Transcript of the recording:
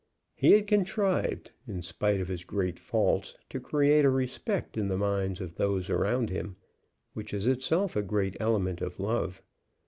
He had contrived, in spite of his great faults, to create a respect in the minds of those around him, which is itself a great element of love.